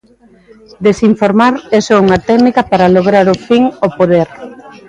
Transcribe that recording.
Desinformar é só unha técnica para lograr o fin: o poder.